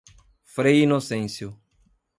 Frei Inocêncio